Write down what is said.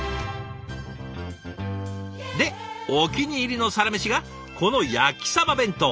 でお気に入りのサラメシがこの焼きサバ弁当。